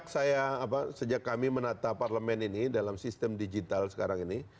sejak kami menata parlemen ini dalam sistem digital sekarang ini